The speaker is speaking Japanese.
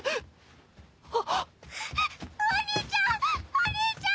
お兄ちゃん！